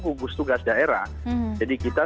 gugus tugas daerah jadi kita